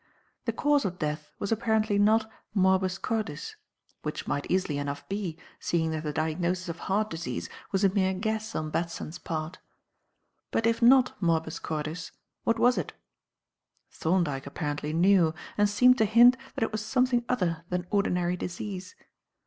The cause of death was apparently not "Morbus Cordis"; which might easily enough be, seeing that the diagnosis of heart disease was a mere guess on Batson's part. But if not Morbus Cordis, what was it? Thorndyke apparently knew, and seemed to hint that it was something other than ordinary disease.